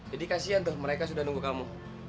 jadi kasihan tuh mereka sudah nunggu kamu